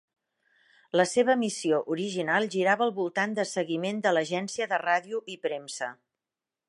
La seva missió original girava al voltant de seguiment de l'agència de ràdio i premsa.